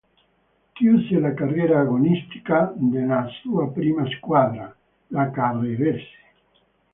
Chiuse la carriera agonistica nella sua prima squadra, la Carrarese.